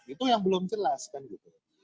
itu yang belum jelas kan gitu